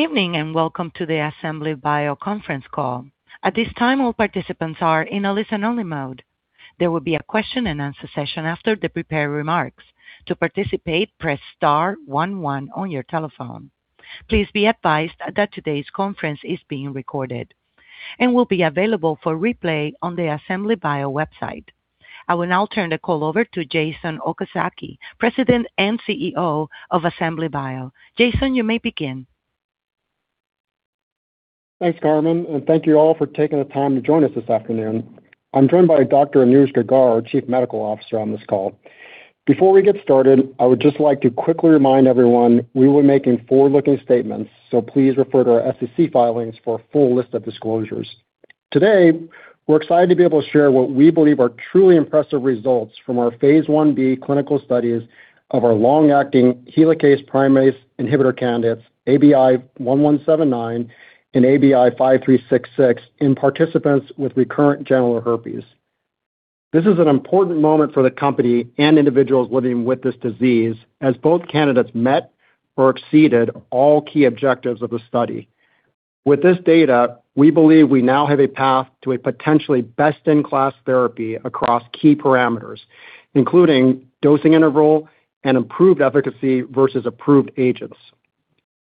Evening and welcome to the Assembly Bio conference call. At this time all participants are in a listen only mode. There will be a question and answer session after the prepared remarks. To participate, press star one one on your telephone. Please be advised that today's conference is being recorded and will be available for replay on the Assembly Bio website. I will now turn the call over to Jason Okazaki, President and CEO of Assembly Bio. Jason, you may begin. Thanks, Carmen, and thank you all for taking the time to join us this afternoon. I'm joined by Dr. Anuj Gaggar, our Chief Medical Officer, on this call. Before we get started, I would just like to quickly remind everyone, we will be making forward-looking statements, so please refer to our SEC filings for a full list of disclosures. Today we're excited to be able to share what we believe are truly impressive results from our phase I-B clinical studies of our long-acting helicase-primase inhibitor candidates ABI-1179 and ABI-5366 in participants with recurrent genital herpes. This is an important moment for the company and individuals living with this disease as both candidates met or exceeded all key objectives of the study. With this data, we believe we now have a path to a potentially best in class therapy across key parameters including dosing interval and improved efficacy versus approved agents.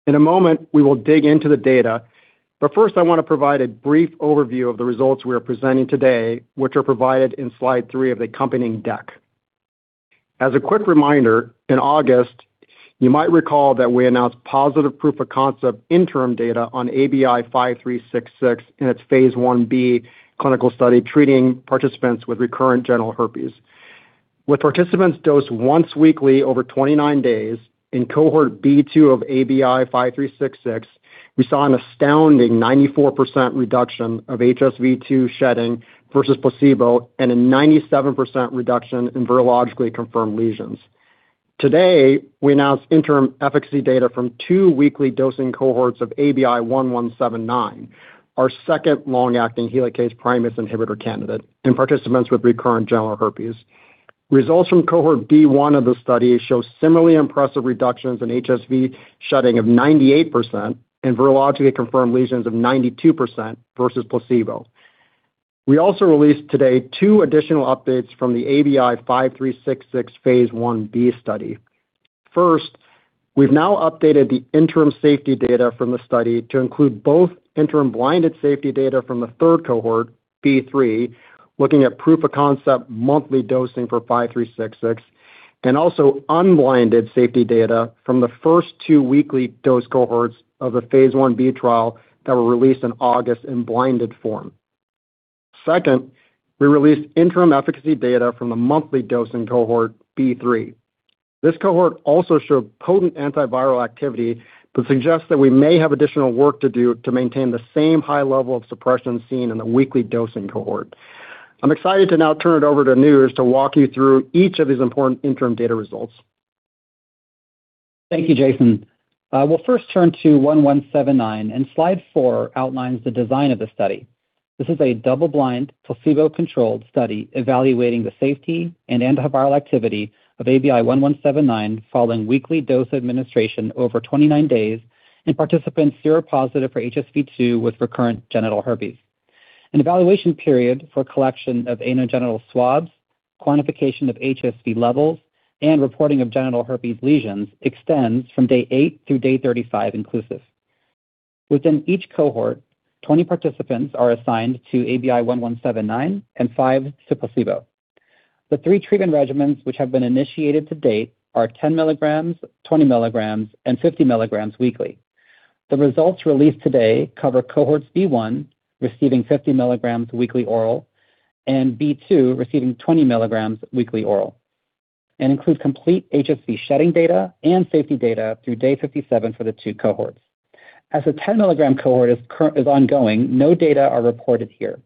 In a moment we will dig into the data, but first I want to provide a brief overview of the results we are presenting today, which are provided in slide three of the accompanying deck. As a quick reminder, in August you might recall that we announced positive proof of concept interim data on ABI-5366 in its phase I-B clinical study treating participants with recurrent genital herpes, with participants dosed once weekly over 29-days. In cohort B2 of ABI-5366, we saw an astounding 94% reduction of HSV-2 shedding versus placebo and a 97% reduction in virologically confirmed lesions. Today we announced interim efficacy data from two weekly dosing cohorts of ABI-1179, our second long-acting helicase-primase inhibitor candidate, in participants with recurrent genital herpes. Results from cohort B1 of the study show similarly impressive reductions in HSV shedding of 98% and virologically confirmed lesions of 92% versus placebo. We also released today two additional updates from the ABI-5366 phase I-B study. First, we've now updated the interim safety data from the study to include both interim blinded safety data from the third Cohort B3, looking at proof of concept monthly dosing for ABI-5366 and also unblinded safety data from the first two weekly dose cohorts of the phase I-B trial that were released in August in blinded form. Second, we released interim efficacy data from the monthly dosing Cohort B3. This cohort also showed potent antiviral activity, but suggests that we may have additional work to do to maintain the same high level of suppression seen in the weekly dosing cohort. I'm excited to know. Turn it over to Anuj to walk you through each of these important interim data results. Thank you, Jason. We'll first turn to 1179 and slide four outlines the design of the study. This is a double-blind placebo-controlled study evaluating the safety and antiviral activity of ABI-1179 following weekly dose administration over 29-days and participants seropositive for HSV-2 with recurrent genital herpes. An evaluation period for collection of anogenital swabs, quantification of HSV levels and reporting of genital herpes lesions extends from day eight through day 35 inclusive. Within each cohort, 20 participants are assigned to ABI-1179 and five to placebo. The three treatment regimens which have been initiated to date are 10 mg, 20 mg and 50 mg weekly. The results released today cover cohorts B1 receiving 50 mg weekly oral and B2 receiving 20 mg weekly oral and include complete HSV shedding data and safety data through day 57 for the two cohorts. As the 10 mg cohort is ongoing, no data are reported here.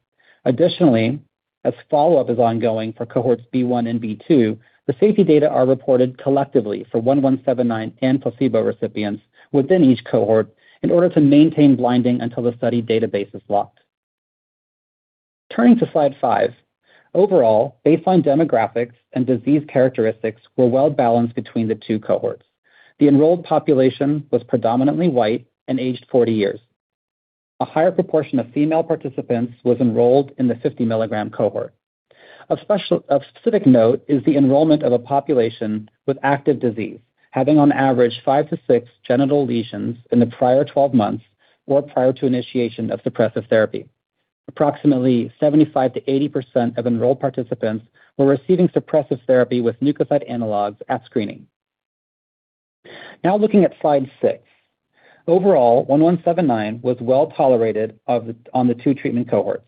Additionally, as follow up is ongoing for cohorts B1 and B2, the safety data are reported collectively for 1179 and placebo recipients within each cohort in order to maintain blinding until the study database is locked. Turning to slide five. Overall baseline demographics and disease characteristics were well balanced between the two cohorts. The enrolled population was predominantly white and aged 40 years. A higher proportion of female participants was enrolled in the 50 mg cohort. Of specific note is the enrollment of a population with active disease having on average five to six genital lesions in the prior 12 months or prior to initiation of suppressive therapy. Approximately 75%-80% of enrolled participants were receiving suppressive therapy with nucleoside analogs at screening. Now looking at slide six. Overall 1179 was well tolerated. On the two treatment cohorts,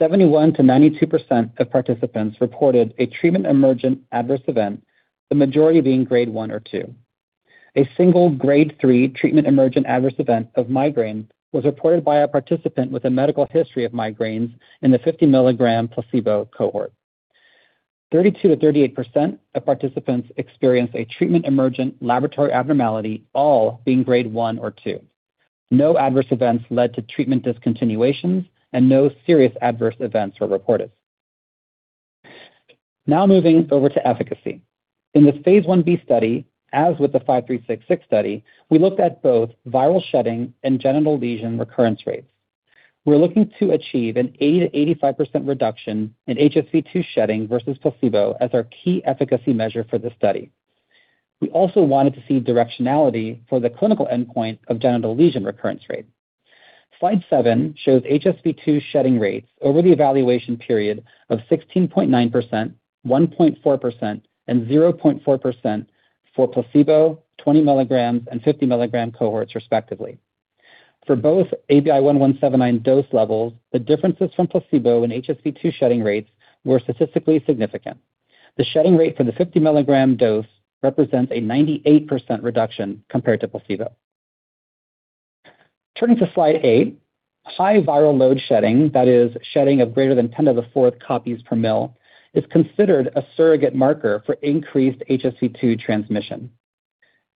71%-92% of participants reported a treatment emergent adverse event, the majority being grade one or two. A single grade three treatment emergent adverse event of migraine was reported by a participant with a medical history of migraines. In the 50 mg placebo cohort, 32%-38% of participants experienced a treatment emergent laboratory abnormality, all being grade one or two. No adverse events led to treatment discontinuations and no serious adverse events were reported. Now moving over to efficacy in the phase I-B study. As with the ABI-5366 study, we looked at both viral shedding and genital lesion recurrence rates. We're looking to achieve an 80%-85% reduction in HSV-2 shedding versus placebo as our key efficacy measure for this study. We also wanted to see directionality for the clinical endpoint of genital lesion recurrence rate. Slide seven shows HSV-2 shedding rates over the evaluation period of 16.9%, 1.4% and 0.4% for placebo 20 mg and 50 mg cohorts, respectively. For both ABI-1179 dose levels. The differences from placebo and HSV-2 shedding rates were statistically significant. The shedding rate for the 50 mg dose represents a 98% reduction compared to placebo. Turning to slide eight, high viral load shedding, that is shedding of greater than 10 to the fourth copies per mL is considered a surrogate marker for increased HSV-2 transmission.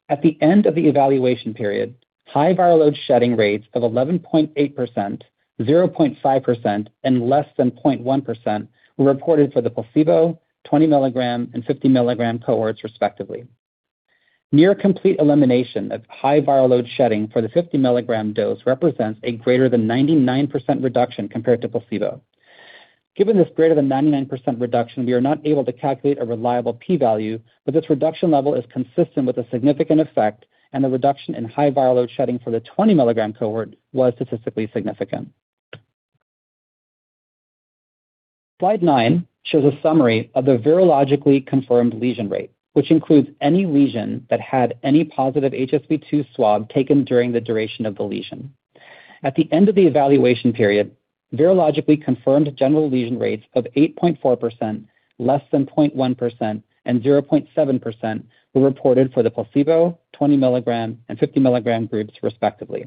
At the end of the evaluation period, high viral load shedding rates of 11.8%, 0.5%, and less than 0.1% were reported for the placebo 20 mg and 50 mg cohorts, respectively. Near complete elimination of high viral load shedding for the 50 mg dose represents a greater than 99% reduction compared to placebo. Given this greater than 99% reduction, we are not able to calculate a reliable P value, but this reduction level is consistent with a significant effect and the reduction in high viral load shedding for the 20 mg cohort was statistically significant. Slide nine shows a summary of the virologically confirmed lesion rate, which includes any lesion that had any positive HSV-2 swab taken during the duration of the lesion. At the end of the evaluation period, virologically confirmed genital lesion rates of 8.4%, less than 0.1% and 0.7% were reported for the placebo, 20 mg and 50 mg groups, respectively.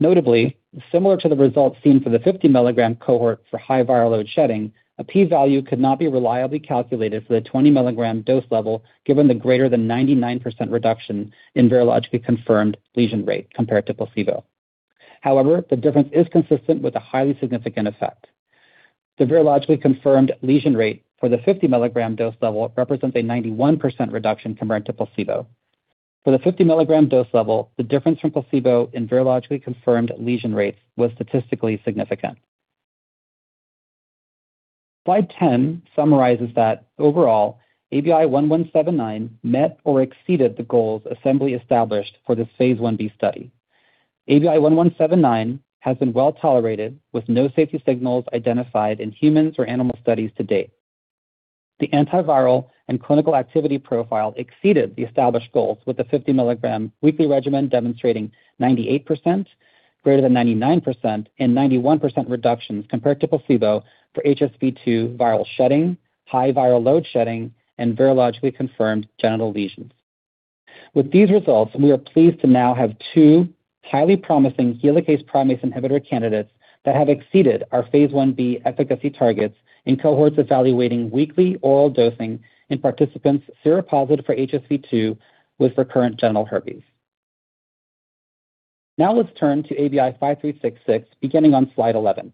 Notably similar to the results seen for the 50 mg cohort for high viral load shedding, a P value could not be reliably calculated for the 20 mg dose level given the greater than 99% reduction in virologically confirmed lesion rate compared to placebo. However, the difference is consistent with a highly significant effect. The virologically confirmed lesion rate for the 50 mg dose level represents a 91% reduction compared to placebo. For the 50 mg dose level, the difference from placebo in virologically confirmed lesion rates was statistically significant. Slide 10 summarizes that overall ABI-1179 met or exceeded the goals Assembly established for this phase I-B study. ABI-1179 has been well tolerated with no safety signals identified in humans or animal studies to date. The antiviral and clinical activity profile exceeded the established goals with the 50 mg weekly regimen demonstrating 98% greater than 99% and 91% reductions compared to placebo for HSV-2 viral shedding, high viral load shedding and virologically confirmed genital lesions. With these results, we are pleased to now have two highly promising helicase-primase inhibitor candidates that have exceeded our phase I-B efficacy targets in cohorts evaluating weekly oral dosing in participants seropositive for HSV-2 with recurrent genital herpes. Now let's turn to ABI-5366 beginning on slide 11.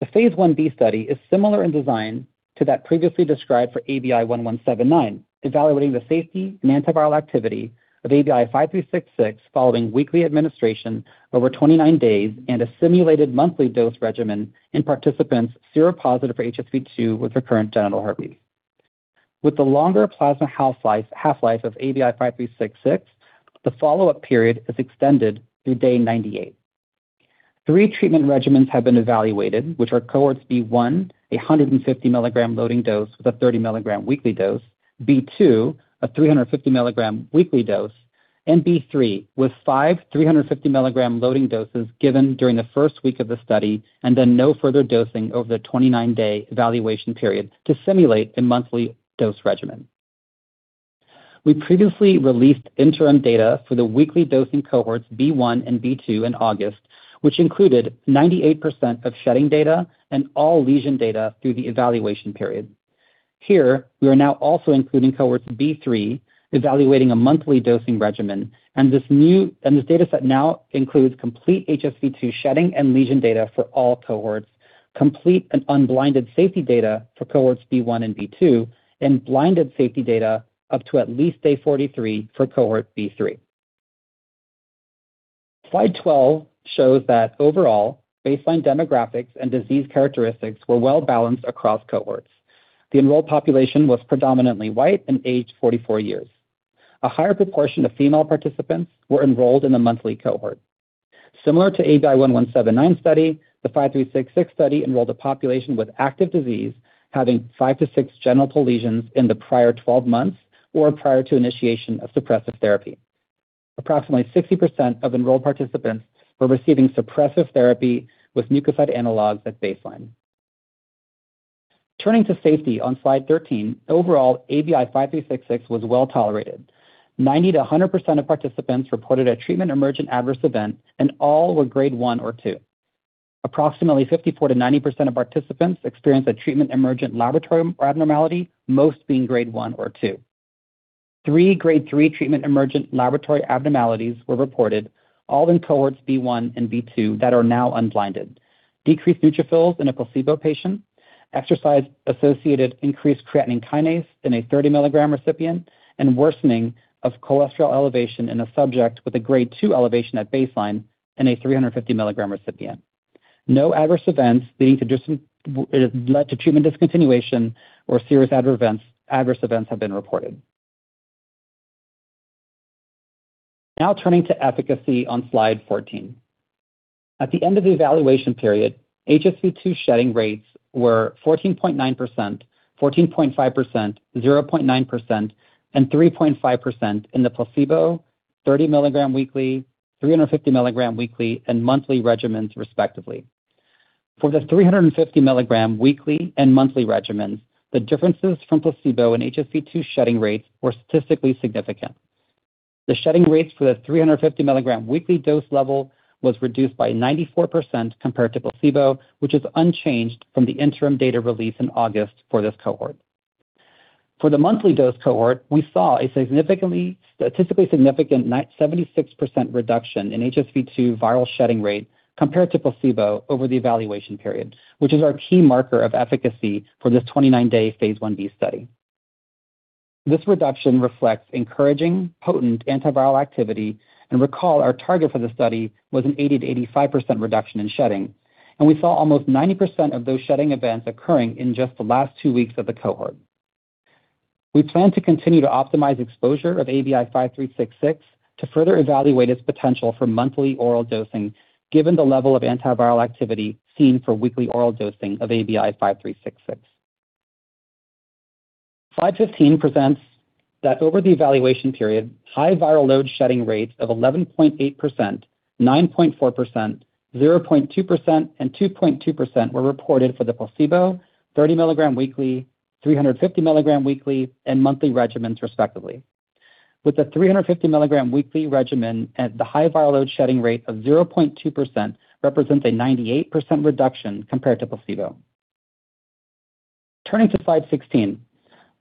The phase I-B study is similar in design to that previously described for ABI-1179 evaluating the safety and antiviral activity of ABI-5366 following weekly administration over 29-days and a simulated monthly dose regimen in participants seropositive for HSV-2 with recurrent genital herpes. With the longer plasma half-life of ABI-5366, the follow-up period is extended through day 98. Three treatment regimens have been evaluated which are cohorts B1 150 mg loading dose with a 30 mg weekly dose, B2 350 mg weekly dose and B3 with five 350 mg loading doses given during the first week of the study and then no further dosing over the 29-day evaluation period to simulate a monthly dose regimen. We previously released interim data for the weekly dosing cohorts B1 and B2 in August, which included 98% of shedding data and all lesion data through the evaluation period. Here we are now also including cohorts B3 evaluating a monthly dosing regimen, and this data set now includes complete HSV-2 shedding and lesion data for all cohorts, complete and unblinded safety data for cohorts B1 and B2, and blinded safety data up to at least day 43 for Cohort B3. Slide 12 shows that overall baseline demographics and disease characteristics were well balanced across cohorts. The enrolled population was predominantly white and aged 44 years. A higher proportion of female participants were enrolled in the monthly cohort. Similar to ABI-1179 study, the ABI-5366 study enrolled a population with active disease having five to six genital lesions in the prior 12 months or prior to initiation of suppressive therapy. Approximately 60% of enrolled participants were receiving suppressive therapy with nucleoside analogs at baseline. Turning to safety on slide 13, overall, ABI-5366 was well tolerated. 90%-100% of participants reported a treatment emergent adverse event and all were grade one or two. Approximately 54%-90% of participants experienced a treatment emergent laboratory abnormality, most being grade one or two. Three grade three treatment emergent laboratory abnormalities were reported, all in cohorts B1 and B2 that are now unblinded. Decreased neutrophils in a placebo patient, exercise associated increased creatine kinase in a 30 mg recipient and worsening of cholesterol elevation in a subject with a grade two elevation at baseline in a 350 mg recipient. No adverse events leading to discontinuation or serious adverse events have been reported. Now turning to efficacy on slide 14 at the end of the evaluation period, HSV-2 shedding rates were 14.9%, 14.5%, 0.9%, and 3.5% in the placebo, 30 mg weekly, 350 mg weekly, and monthly regimens, respectively. For the 350 mg weekly and monthly regimens, the differences from placebo and HSV-2 shedding rates were statistically significant. The shedding rates for the 350 mg weekly dose level was reduced by 94% compared to placebo, which is unchanged from the interim data release in August for this cohort. For the monthly dose cohort we saw a statistically significant 76% reduction in HSV-2 viral shedding rate compared to placebo over the evaluation period, which is our key marker of efficacy for this 29-day phase I-B study. This reduction reflects encouraging potent antiviral activity and recall. Our target for the study was an 80%-85% reduction in shedding and we saw almost 90% of those shedding events occurring in just the last two weeks of the cohort. We plan to continue to optimize exposure of ABI-5366 to further evaluate its potential for monthly oral dosing. Given the level of antiviral activity seen for weekly oral dosing of ABI-5366. Slide 15 presents that over the evaluation period, high viral load shedding rates of 11.8%, 9.4%, 0.2% and 2.2% were reported for the placebo 30 mg weekly, 350 mg weekly and monthly regimens, respectively. With the 350 mgs weekly regimen, the high viral load shedding rate of 0.2% represents a 98% reduction compared to placebo. Turning to slide 16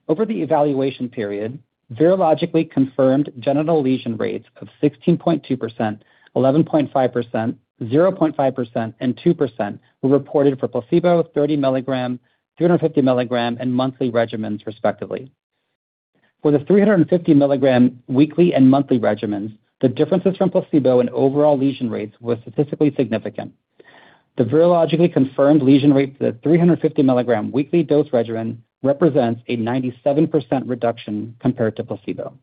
over the evaluation period, virologically confirmed genital lesion rates of 16.2%, 11.5%, 0.5% and 2% were reported for placebo 30 mg, 350 mg and monthly regimens, respectively. For the 350 mg weekly and monthly regimens, the differences from placebo and overall lesion rates was statistically significant. The virologically confirmed lesion rate for the 350 mg weekly dose regimen represents a 97% reduction compared to placebo.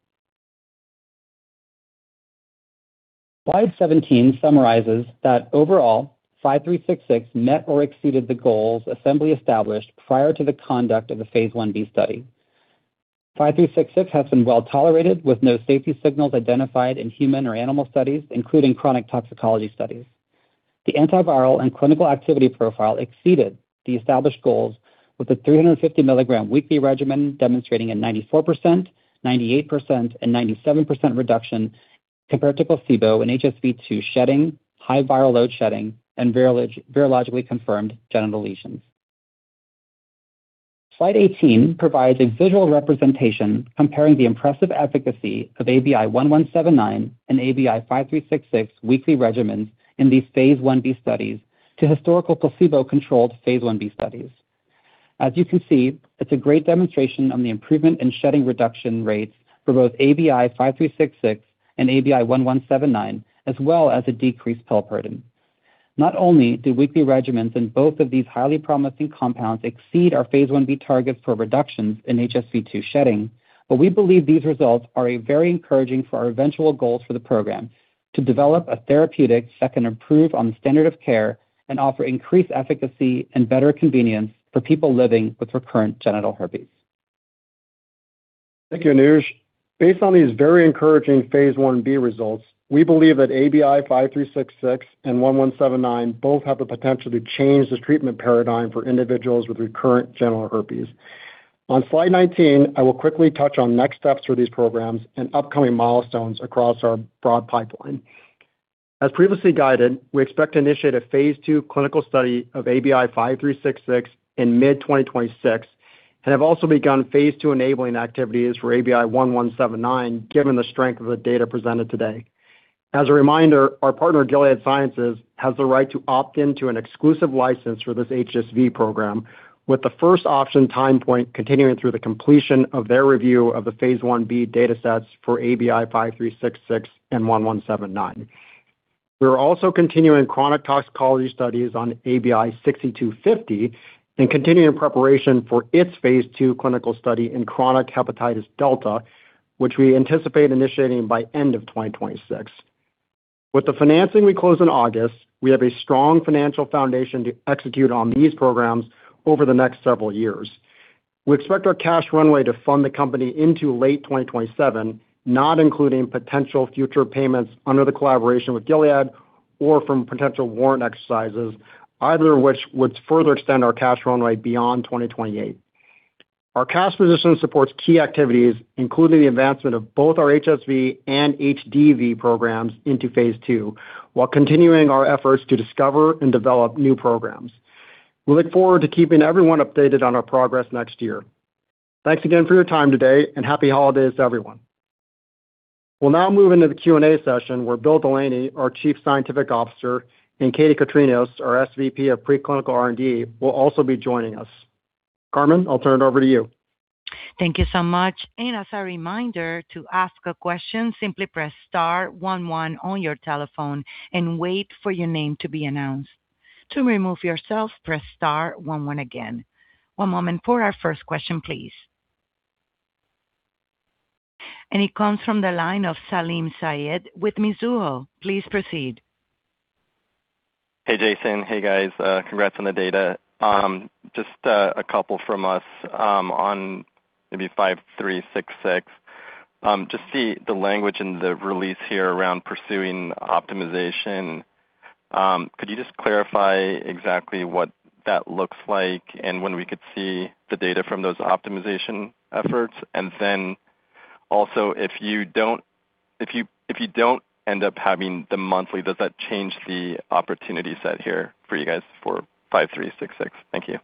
Slide 17 summarizes that overall ABI-5366 met or exceeded the goals Assembly established prior to the conduct of the phase I-B study. ABI-5366 has been well tolerated with no safety signals identified in human or animal studies including chronic toxicology studies. The antiviral and clinical activity profile exceeded the established goals with a 350 mg weekly regimen demonstrating a 94%, 98% and 97% reduction compared to placebo in HSV-2 shedding, high viral load shedding, and virologically confirmed genital lesions. Slide 18 provides a visual representation comparing the impressive efficacy of ABI-1179 and ABI-5366 weekly regimens in these phase I-B studies to historical placebo-controlled phase I-B studies. As you can see, it's a great demonstration on the improvement in shedding reduction rates for both ABI-5366 and ABI-1179, as well as a decreased pill burden. Not only do weekly regimens in both of these highly promising compounds exceed our phase I-B targets for reductions in HSV-2 shedding, but we believe these results are very encouraging for our eventual goals for the program to develop a therapeutic that can improve on the standard of care and offer increased efficacy and better convenience for people living with recurrent genital herpes. Thank you Anuj. Based on these very encouraging phase I-B results, we believe that ABI-5366 and ABI-1179 both have the potential to change the treatment paradigm for individuals with recurrent genital herpes. On slide 19, I will quickly touch on next steps for these programs and upcoming milestones across our broad pipeline, as previously guided, we expect to initiate a phase II clinical study of ABI-5366 in mid-2026 and have also begun phase II enabling activities for ABI-1179 given the strength of the data presented today. As a reminder, our partner Gilead Sciences has the right to opt into an exclusive license for this HSV program with the first option time point continuing through the completion of their review of the phase I-B datasets for ABI-5366 and ABI-1179. We are also continuing chronic toxicology studies on ABI-6250 and continuing preparation for its phase II clinical study in chronic hepatitis delta, which we anticipate initiating by end of 2026. With the financing we close in August, we have a strong financial foundation to execute on these programs over the next several years. We expect our cash runway to fund the company into late 2027, not including potential future payments under the collaboration with Gilead or from potential warrant exercises, either of which would further extend our cash runway beyond 2028. Our cash position supports key activities, including the advancement of both our HSV and HDV programs into phase II. While continuing our efforts to discover and develop new programs. We look forward to keeping everyone updated on our progress next year. Thanks again for your time today and happy holidays to everyone. We'll now move into the Q and A session where Bill Delaney, our Chief Scientific Officer, and Katie Kitrinos, our SVP of Preclinical R&D, will also be joining us. Carmen, I'll turn it over to you. Thank you so much. And as a reminder to ask a question, simply press star one one on your telephone and wait for your name to be announced. To remove yourself, press star one one again. One moment for our first question, please. It comes from the line of Salim Syed with Mizuho. Please proceed. Hey Jason. Hey guys. Congrats on the data. Just a couple from me on maybe ABI-5366, just the language in the release here around pursuing optimization. Could you just clarify exactly what that looks like and when we could see the data from those optimization efforts? And then also if you don't end up having the monthly, does that change the opportunity set here for you guys for ABI-5366? Thank you.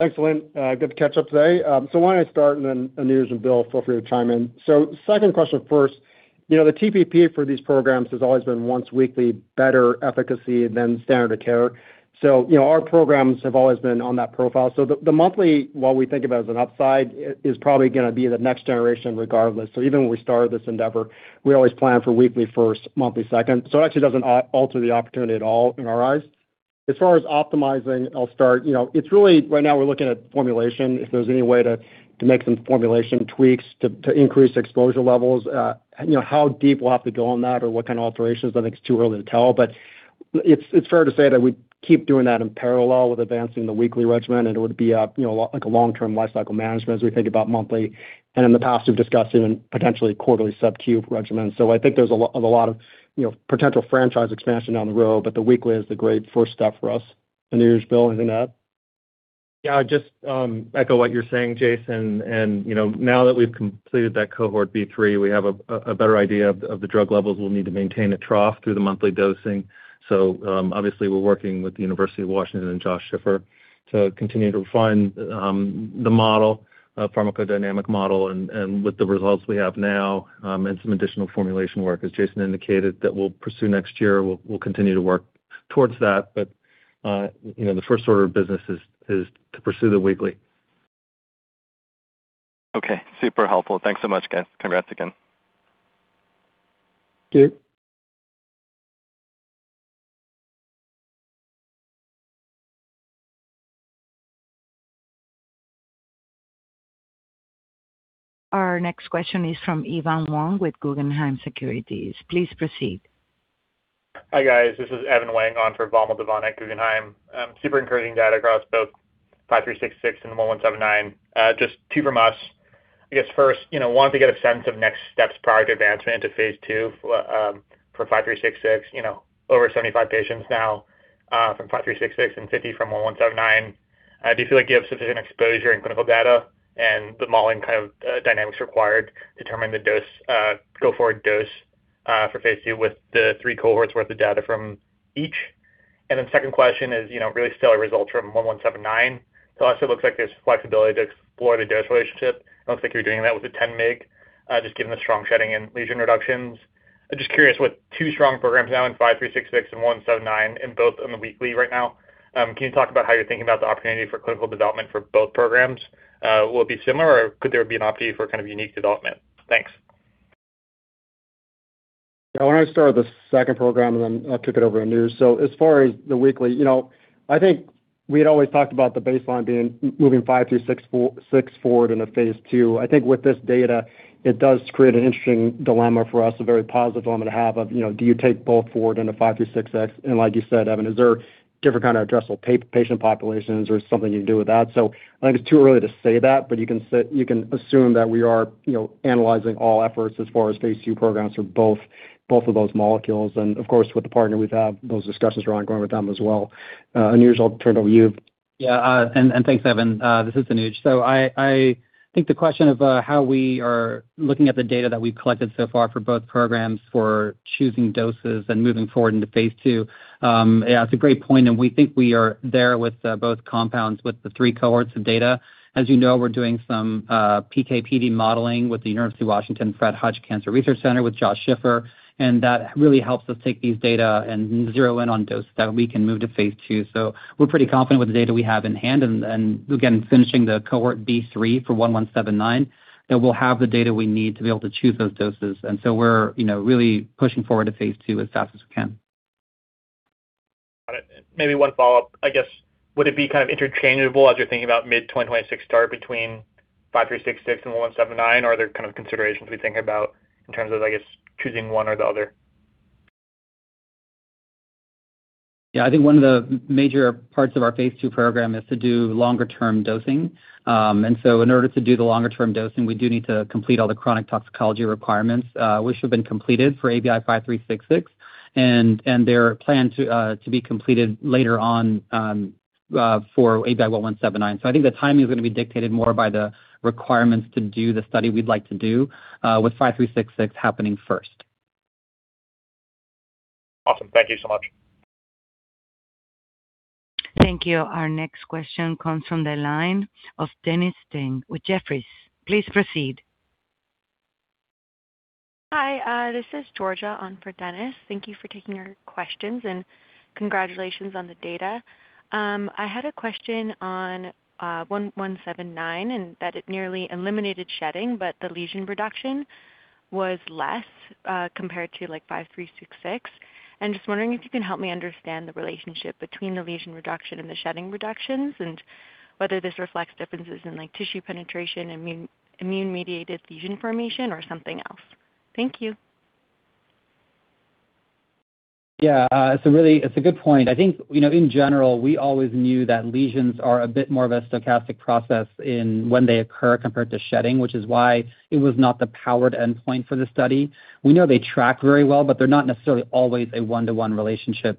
Thanks, Salim. Good to catch up today. So why don't I start and then Anuj and Bill, feel free to chime in. So second question first. You know the TPP for these programs has always been once weekly better efficacy than standard of care. So you know, our programs have always been on that profile. So the monthly, what we think of as an upside is probably going to be the next generation regardless. So even when we started this endeavor, we always plan for weekly first, monthly second. So it actually doesn't alter the opportunity at all in our eyes as far as optimizing. I'll start. You know, it's really right now we're looking at formulation. If there's any way to make some formulation tweaks to increase exposure levels, you know, how deep we'll have to go on that or what kind of alterations. I think it's too early to tell, but it's fair to say that we keep doing that in parallel with advancing the weekly regimen, and it would be like a long-term life cycle management as we think about monthly, and in the past we've discussed even potentially quarterly sub-Q regimen. So I think there's a lot of, you know, potential franchise expansion down the road. But the weekly is the great first step for us. Anuj, Bill, anything to add? Yeah, just echo what you're saying, Jason. You know, now that we've completed that Cohort B3, we have a better idea of the drug levels we'll need to maintain at trough through the monthly dosing. Obviously we're working with the University of Washington and Josh Schiffer to continue to refine the pharmacodynamic model and with the results we have now and some additional formulation work as Jason indicated, that we'll pursue next year, we'll continue. To work towards that. But you know, the first order of business is to pursue the weekly. Okay, super helpful. Thanks so much guys. Congrats again. Our next question is from Evan Wang with Guggenheim Securities. Please proceed. Hi, guys, this is Evan Wang on for Vamil Divan at Guggenheim. Super encouraging data across both 5366 and 1179. Just two from us, I guess. First, you know, want to get a sense of next steps prior to advancement into phase II for 5366, you know, over 75 patients now from 5366 and 50 from 1179. Do you feel like you have sufficient exposure in clinical data and the modeling kind of dynamics required to determine the dose? Go forward dose for phase II with the three cohorts worth of data from each? And then second question is really stellar results from 1179. So it looks like there's flexibility to explore the dose relationship. It looks like you're doing that with a 10 mg just given the strong shedding in lesion reductions. I'm just curious, with two strong programs now in 5366 and 1179 in both on the weekly right now, can you talk about how you're thinking about the opportunity for clinical development for both programs? Will it be similar or could there be an opportunity for kind of unique development? Thanks. Yeah, when I started the second program and then I'll kick it over to Anuj. So as far as the weekly, you know, I think we had always talked about the baseline being moving 5366 forward in a phase II. I think with this data, it does create an interesting dilemma for us. A very positive element to have of, you know, do you take both forward in a 5366 and like you said, Evan, is there different kind of addressable patient populations or something you can do with that? So I think it's too early to say that, but you can assume that we are analyzing all efforts as far as phase II programs for both of those molecules. And of course with the partner we've had, those discussions are ongoing with them as well. Anuj, I'll turn it over to you. Yeah, and thanks, Evan. This is Anuj. So I think the question of how we are looking at the data that we've collected so far for both programs for choosing doses and moving forward into phase II. It's a great point. And we think we are there with both compounds with the three cohorts of data. As you know, we're doing some PKPD modeling with the University of Washington and Fred Hutchinson Cancer Center with Josh Schiffer. And that really helps us take these data and zero in on doses that we can move to phase II. So we're pretty confident with the data we have in hand and again finishing the Cohort B3 for 1179, that we'll have the data we need to be able to choose those doses. And so we're really pushing forward to phase II as fast as we can. Maybe one follow up, I guess. Would it be kind of interchangeable as you're thinking about mid-2026 start between ABI-5366 and the ABI-1179 or are there kind of considerations we think about in terms of, I guess, choosing one or the other? Yeah, I think one of the major parts of our phase II program is to do longer term dosing. And so in order to do the longer term dosing, we do need to complete all the chronic toxicology requirements which have been completed for ABI-5366, and they're planned to be completed later on for ABI-1179. So I think the timing is going to be dictated more by the requirements to do the study we'd like to do with 5366 happening first. Awesome. Thank you so much. Thank you. Our next question comes from the line of Dennis Ding with Jefferies, please proceed. Hi, this is Georgia on for Dennis. Thank you for taking your questions and congratulations on the data. I had a question on 1179 and that it nearly eliminated shedding, but the lesion reduction was less compared to like 5366, and just wondering if you can help me understand the relationship between the lesion reduction and the shedding reductions and whether this reflects differences in tissue penetration, immune mediated lesion formation, or something else. Thank you. Yeah, it's a good point. I think in general, we always knew that lesions are a bit more of a stochastic process when they occur compared to shedding, which is why it was not the powered endpoint for the study. We know they track very well, but they're not necessarily always a one to one relationship.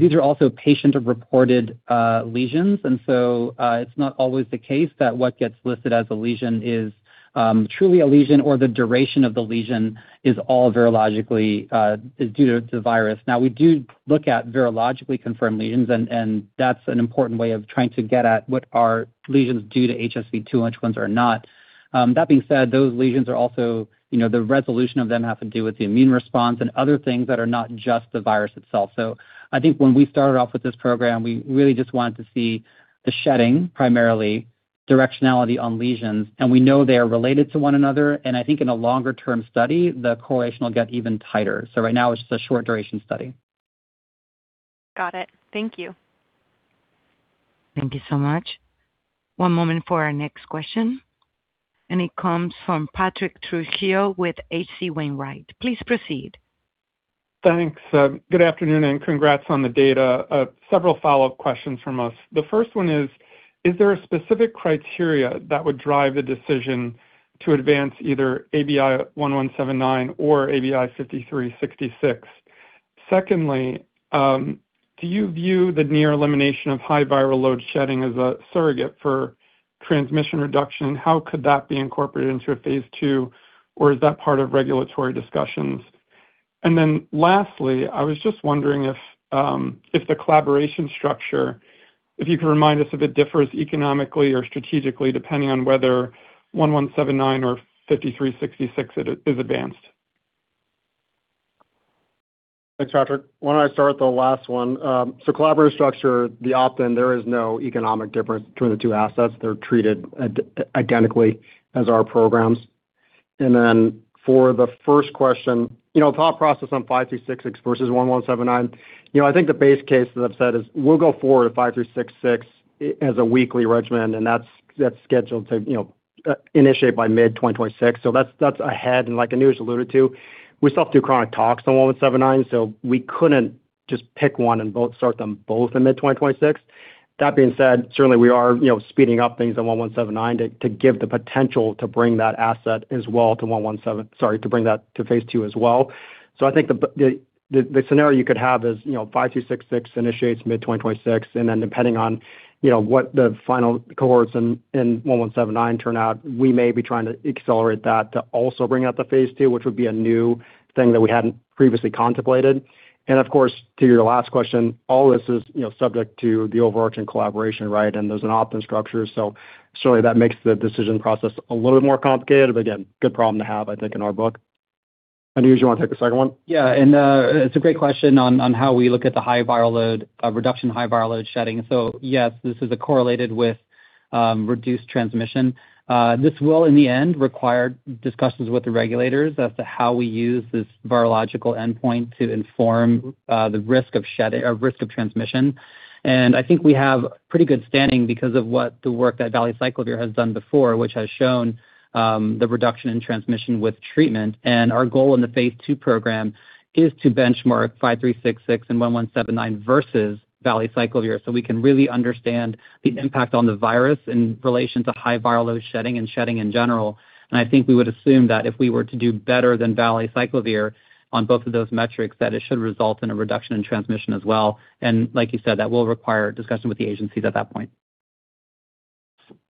These are also patient reported lesions. And so it's not always the case that what gets listed as a lesion is truly a lesion or the duration of the lesion is all virologically is due to the virus. Now, we do look at virologically confirmed lesions and that's an important way of trying to get at what are lesions due to HSV-2, which ones are not. That being said, those lesions are also, you know, the resolution of them have to do with the immune response and other things that are not just the virus itself. So I think when we started off with this program we really just wanted to see the shedding primarily directionality on lesions and we know they are related to one another and I think in a longer term study the correlation will get even tighter. So right now it's just a short duration study. Got it. Thank you. Thank you so much. One moment for our next question. And it comes from Patrick Trucchio with H.C. Wainwright. Please proceed. Thanks. Good afternoon and congrats on the data. Several follow up questions from us. The first one is, is there a specific criteria that would drive the decision to advance either ABI-1179 or ABI-5366? Secondly, do you view the near elimination of high viral load shedding as a surrogate for transmission reduction? How could that be incorporated into a phase II? Or is that part of regulatory discussions? And then lastly, I was just wondering if the collaboration structure, if you could remind us if it differs economically or strategically depending on whether 1179 or 5366 is advanced. Thanks, Patrick. Why don't I start with the last one? So collaborative structure, the option, there is no economic difference between the two assets. They're treated identically as our programs. And then for the first question, you know, thought process on ABI-5366 versus ABI-1179. You know, I think the base case that I've said is we'll go forward with ABI-5366 as a weekly regimen and that's, that's scheduled to, you know, initiate by mid-2026. So that's, that's ahead. And like Anuj alluded to, we still do chronic tox on ABI-1179. So we couldn't just pick one and both start them both in mid-2026. That being said, certainly we are, you know, speeding up things on ABI-1179 to give the option that asset as well to ABI-1179, sorry to bring that to phase II as well. So I think the scenario you could have is, you know, 5366 initiates mid-2026 and then depending on, you know, what the final cohorts in 1179 turn out, we may be trying to accelerate that to also bring out the phase II, which would be a new thing that we hadn't previously contemplated, and of course to your last question, all this is subject to the overarching collaboration. Right. And there's an opt-in structure. So certainly that makes the decision process a little bit more complicated. But again, good problem to have in our book. Anuj, you want to take the second one? Yeah. And it's a great question on how we look at the high viral load reduction, high viral load shedding. So yes, this is correlated with reduced transmission. This will in the end require discussions with the regulators as to how we use this virological endpoint to inform the risk of shedding or risk of transmission. And I think we have pretty good standing because of what the work that valacyclovir has done before which has shown the reduction in transmission with treatment. And our goal in the phase II program is to benchmark 5366 and 1179 versus valacyclovir so we can really understand the impact on the virus in relation to high viral load shedding and shedding in general. And I think we would assume that if we were to do better than valacyclovir on both of those metrics, that it should result in a reduction in transmission as well. And like you said, that will require discussion with the agencies at that point.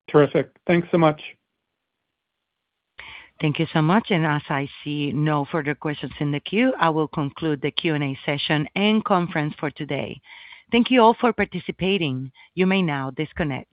Terrific. Thanks so much. Thank you so much. And as I see no further questions in the queue, I will conclude the Q and A session and conference for today. Thank you all for participating. You may now disconnect.